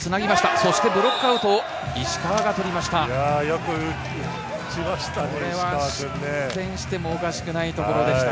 そしてブロックアウトを石川が取りました。